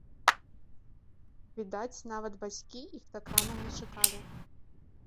Відаць, нават бацькі іх так рана не чакалі!